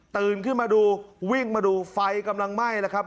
ขึ้นมาดูวิ่งมาดูไฟกำลังไหม้แล้วครับ